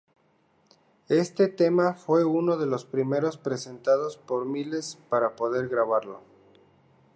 Este tema fue uno de los primeros presentados por Myles para poder grabarlo.